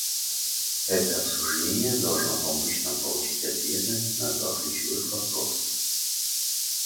Это обсуждение должно помочь нам получить ответы на два ключевых вопроса.